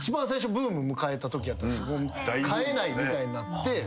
買えないみたいになって。